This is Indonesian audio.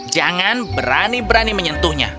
jangan berani berani menyentuhnya